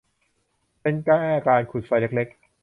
เป็นแค่การขุดไฟเล็ก ๆ